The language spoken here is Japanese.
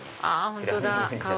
本当だ。